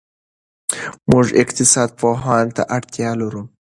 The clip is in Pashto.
موږ اقتصاد پوهانو ته اړتیا لرو.